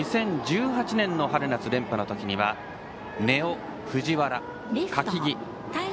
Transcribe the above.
２０１８年の春夏連覇の時には根尾、藤原、柿木。